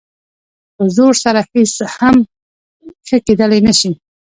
په زور سره هېڅ څه هم ښه کېدلی نه شي.